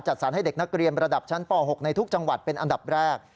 สารให้เด็กนักเรียนระดับชั้นป๖ในทุกจังหวัดเป็นอันดับแรก